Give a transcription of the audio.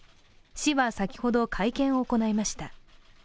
市は先ほど会見を行いました。